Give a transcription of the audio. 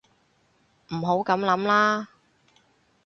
唔好噉諗啦